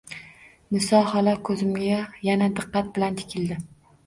Niso xola ko‘zimga yana diqqat bilan tikildi.